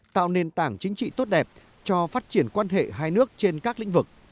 tạo nền tảng chính trị tốt đẹp cho phát triển quan hệ hai nước trên các lĩnh vực